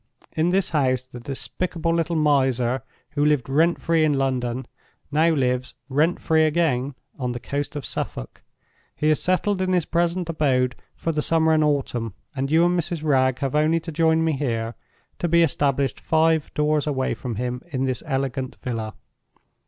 In this house the despicable little miser, who lived rent free in London, now lives, rent free again, on the coast of Suffolk. He is settled in his present abode for the summer and autumn; and you and Mrs. Wragge have only to join me here, to be established five doors away from him in this elegant villa.